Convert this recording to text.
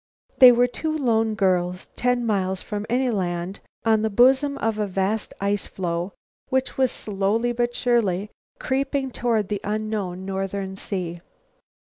They were two lone girls ten miles from any land, on the bosom of a vast ice floe, which was slowly but surely creeping toward the unknown northern sea.